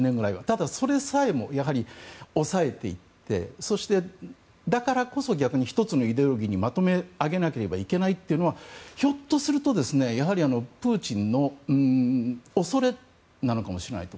ただ、それさえも抑えていってだからこそ逆に１つのイデオロギーにまとめ上げなければいけないというのはひょっとすると、プーチンの恐れなのかもしれないと。